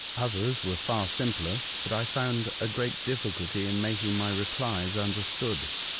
Others were far simpler, but I found a great difficulty in making my replies understood.